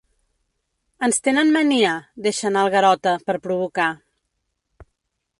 Ens tenen mania —deixa anar el Garota, per provocar.